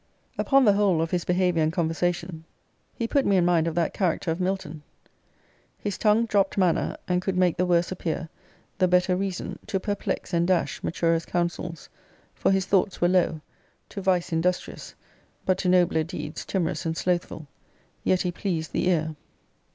Upon the whole of his behaviour and conversation, he put me in mind of that character of Milton: His tongue Dropt manna, and could make the worse appear The better reason, to perplex and dash Maturest counsels; for his thoughts were low; To vice industrious: but to nobler deeds Tim'rous and slothful: yet he pleased the ear.